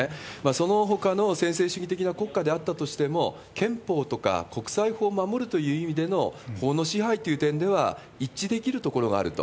そのほかの専制主義的な国家であったとしても、憲法とか国際法を守るという意味での法の支配という点では一致できることがあると。